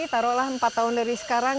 taruhlah empat tahun dari sekarang